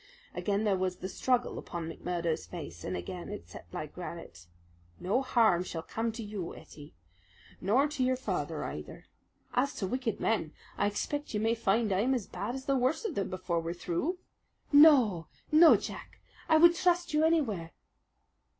Again there was the struggle upon McMurdo's face, and again it set like granite. "No harm shall come to you, Ettie nor to your father either. As to wicked men, I expect you may find that I am as bad as the worst of them before we're through." "No, no, Jack! I would trust you anywhere."